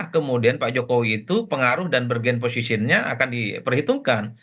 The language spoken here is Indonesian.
kemudian pak jokowi itu pengaruh dan bergen posisinya akan diperhitungkan